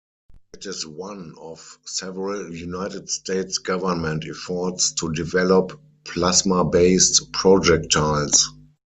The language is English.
It is one of several United States Government efforts to develop plasma-based projectiles.